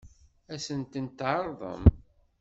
Ad sen-tent-tɛeṛḍem?